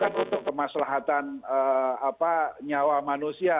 karena itu kan untuk kemaslahan nyawa manusia